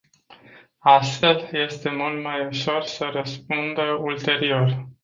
Astfel este mult mai ușor să răspundă ulterior.